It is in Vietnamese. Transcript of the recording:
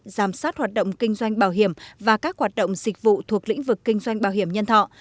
giám sát hoạt động kinh doanh bảo hiểm và các hoạt động dịch vụ thuộc lĩnh vực kinh doanh bảo hiểm nhân thọ